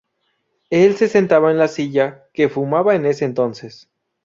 Él se sentaba en la silla que fumaba en ese entonces.